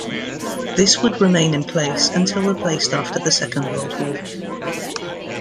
This would remain in place until replaced after the second world war.